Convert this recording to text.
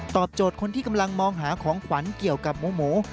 โจทย์คนที่กำลังมองหาของขวัญเกี่ยวกับหมู